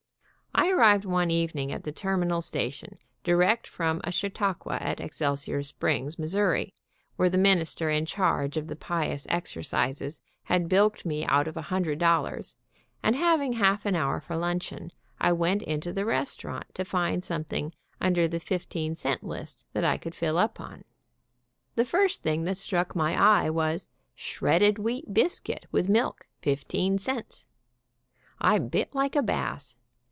I arrived one evening at the terminal station, direct from a chautauqua at Excel sior Springs, Mo., where the minister in charge of the pious exercises had bilked me out of a hundred dol lars, and having half an hour for luncheon I went into the restaurant to find something under the fif teen cent list that I could fill up on. The first thing that struck my eye was "Shredded wheat biscuit, with milk, 15 cents." I bit like a bass.